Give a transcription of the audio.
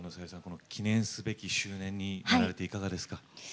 この記念すべき周年になられていかがですか？